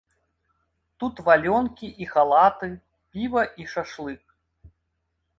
Тут валёнкі і халаты, піва і шашлык.